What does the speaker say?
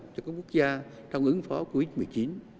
cho các quốc gia trong ứng phó covid một mươi chín